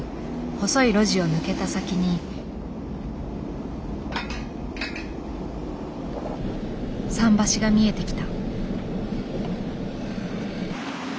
細い路地を抜けた先に桟橋が見えてきた。